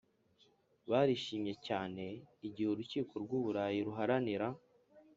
Barishimye cyane igihe urukiko rw u burayi ruharanira